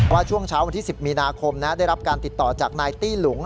ช่วงเช้าวันที่๑๐มีนาคมได้รับการติดต่อจากนายตี้หลุง